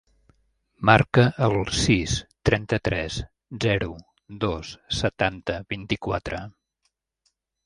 Marca el sis, trenta-tres, zero, dos, setanta, vint-i-quatre.